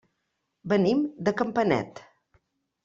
Venim de Campanet.